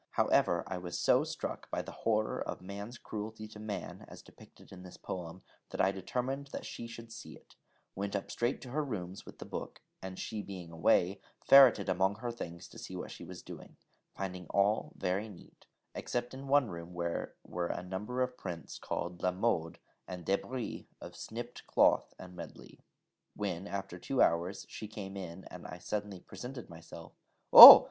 However, I was so struck by the horror of man's cruelty to man, as depicted in this poem, that I determined that she should see it; went up straight to her rooms with the book, and, she being away, ferreted among her things to see what she was doing, finding all very neat, except in one room where were a number of prints called La Mode, and débris of snipped cloth, and medley. When, after two hours, she came in, and I suddenly presented myself, 'Oh!'